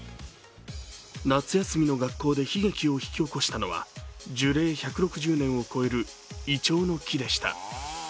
夏休みの学校で悲劇を引き起こしたのは樹齢１６０年を超えるいちょうの木でした。